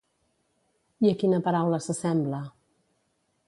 I a quina paraula s'assembla?